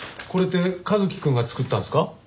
これって一輝くんが作ったんですか？